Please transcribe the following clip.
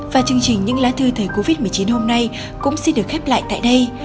và chương trình những lá thư thời covid một mươi chín hôm nay cũng xin được khép lại tại đây